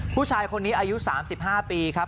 ผู้ชายคนนี้อายุ๓๕ปีครับ